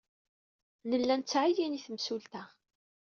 Nella nettɛeyyin i temsulta.